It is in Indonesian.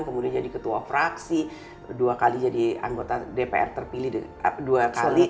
kemudian jadi ketua fraksi dua kali jadi anggota dpr terpilih dua kali